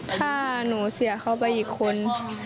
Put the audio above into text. ถ้าหนูเสียเขาไปอีกคน